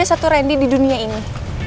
ada satu randy di dunia ini